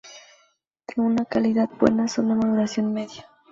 De una calidad buena, son de maduración media.